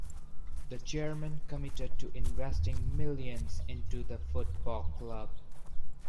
The chairman committed to investing millions into the football club.